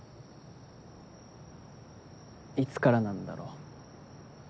いつからなんだろう。